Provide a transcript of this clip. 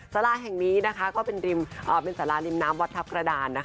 สาราแห่งนี้นะคะก็เป็นสาราริมน้ำวัดทัพกระดาน